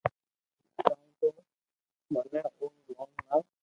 ڪاو تو منو او رو نوم ھڻَاوُ